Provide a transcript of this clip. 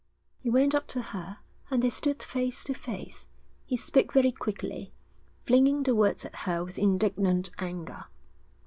He went up to her, and they stood face to face. He spoke very quickly, flinging the words at her with indignant anger.